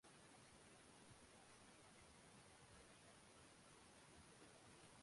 大帽山耳草为茜草科耳草属下的一个种。